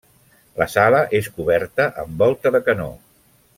La sala és coberta amb volta de canó.